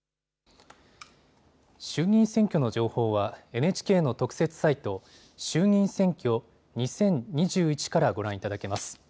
衆議院選挙の情報はＮＨＫの特設サイト、衆議院選挙２０２１からご覧いただけます。